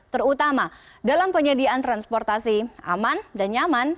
terutama dalam penyediaan transportasi aman dan nyaman